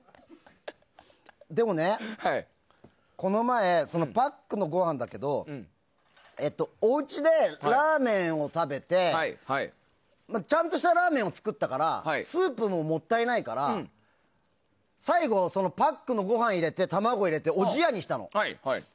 でもね、この前パックのご飯だけどおうちでラーメンを食べてちゃんとしたラーメンを作ったからスープももったいないから最後、パックのご飯を入れて卵入れて、おじやにしたの。